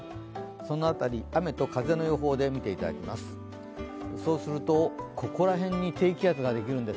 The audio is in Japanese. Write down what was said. そのあたり、雨と風の予報で見ていただきます。